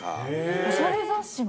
おしゃれ雑誌も？